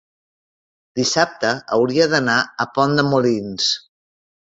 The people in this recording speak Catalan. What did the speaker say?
dissabte hauria d'anar a Pont de Molins.